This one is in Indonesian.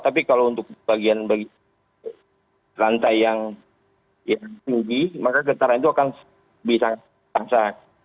tapi kalau untuk bagian rantai yang tinggi maka getaran itu akan bisa